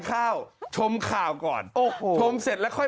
ภาษาแรกที่สุดท้าย